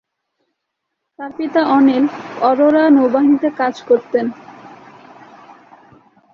তার পিতা অনিল অরোরা নৌবাহিনীতে কাজ করতেন।